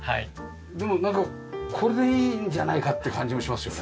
でもなんかこれでいいんじゃないかって感じもしますよね。